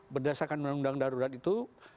berdasarkan undang undang darurat itu